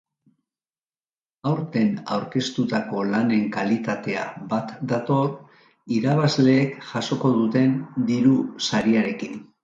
Aurten aurkeztutako lanen kalitatea bat dator irabazleek jasoko duten diru sariarekin.